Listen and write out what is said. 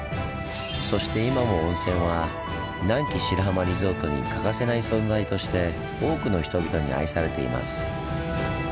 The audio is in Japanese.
そして今も温泉は南紀白浜リゾートに欠かせない存在として多くの人々に愛されています。